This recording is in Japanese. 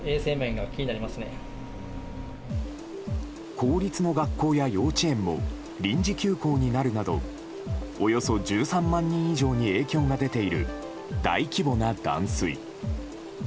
公立の学校や幼稚園も臨時休校になるなどおよそ１３万人以上に影響が出ている大規模な断水。